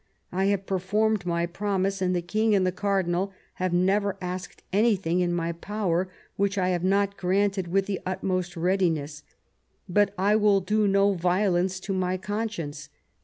I have performed my promise, and the long and the cardinal have never asked anything in my power which I have not granted with the utmost readiness ; but I will do no violence to my conscience.